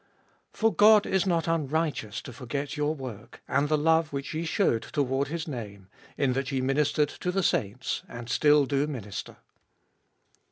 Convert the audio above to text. For God is not unrighteous to forget your work and the love which ye showed toward His name, in that ye ministered to the saints, and still do minister.